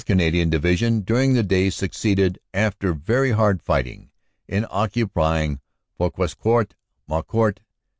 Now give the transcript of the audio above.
Canadian Division during the day succeeded, after very hard fighting, in occupying Fouquescourt, Maucourt.